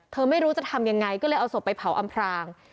ไม่รู้จะทำยังไงก็เลยเอาศพไปเผาอำพราง